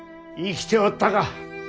生きておったか。